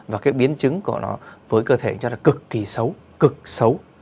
và cái biến chứng của nó với cơ thể cho là cực kỳ xấu cực xấu